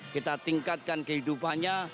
kita tingkatkan kehidupannya